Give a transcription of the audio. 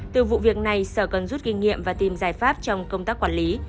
từ vụ việc này sở cần rút kinh nghiệm và tìm giải pháp trong công tác quản lý